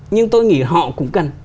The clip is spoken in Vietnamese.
nhưng tôi nghĩ họ cũng cần